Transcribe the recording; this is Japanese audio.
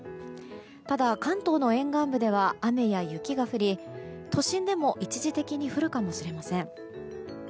ただ、関東の沿岸部では雨や雪が降り都心でも一時的に降るかもしれません。